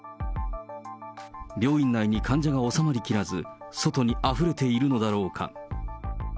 病院内に患者が収まりきらず、外にあふれているのだろうか。